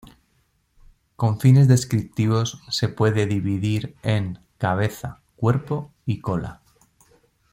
Con fines descriptivos se puede dividir en, cabeza cuerpo y cola.